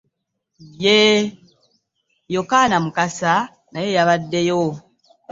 Yee, Yokaana Mukasa naye yabaddeyo.